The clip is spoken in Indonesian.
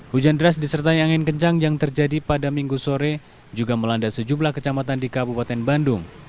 hujan deras disertai angin kencang yang terjadi pada minggu sore juga melanda sejumlah kecamatan di kabupaten bandung